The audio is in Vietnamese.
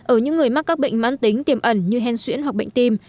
ở những người mắc các bệnh mãn tính tiềm ẩn như hen xuyễn hoặc bệnh tim